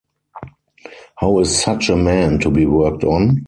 How is such a man to be worked on?